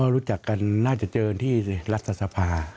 รู้จักกันน่าจะเจอที่รัฐสภา